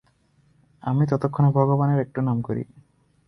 আমি ততক্ষণে ভগবানের একটু নাম করি।